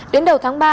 đến đầu tháng ba